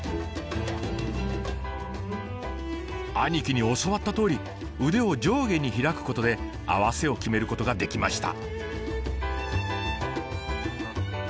兄貴に教わったとおり腕を上下に開くことで合わせを決めることができました。